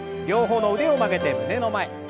両方の腕を曲げて胸の前。